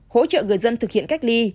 hỗ trợ người dân thực hiện cách ly